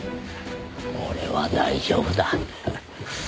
俺は大丈夫だ。